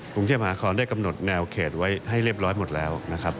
กรุงเที่ยมหาครได้กำหนดแนวเขตไว้ให้เรียบร้อยหมดแล้ว